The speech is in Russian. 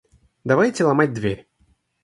Давайте ломать дверь.